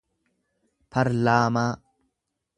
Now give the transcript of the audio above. parlaamaa